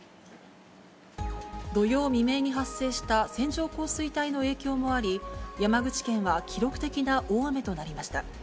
土曜未明に発生した線状降水帯の影響もあり、山口県は記録的な大雨となりました。